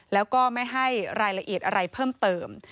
แล้วก็ไม่ให้รายละเอียดอะไรเพิ่มเติม